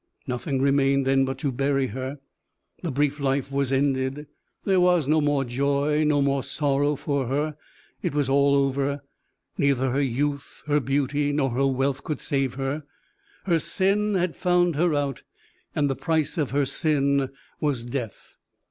Nothing remained then but to bury her. The brief life was ended; there was no more joy, no more sorrow for her it was all over; neither her youth, her beauty, nor her wealth could save her. Her sin had found her out, and the price of her sin was death.